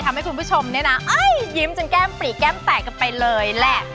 คุณผู้ชมเนี่ยนะยิ้มจนแก้มปลีกแก้มแตกกันไปเลยแหละ